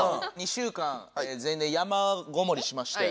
２週間全員で山ごもりしまして。